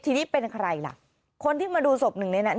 ทีนี้เป็นใครล่ะคนที่มาดูศพหนึ่งในนั้น